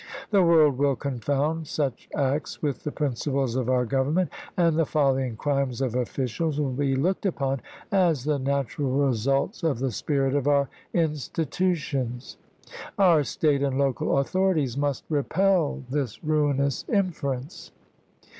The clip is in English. The world will confound such acts with the principles of our Government, and the folly and crimes of officials will be looked upon as the natural results of the spirit of our in stitutions. Our State and local authorities must repel this ruinous inference."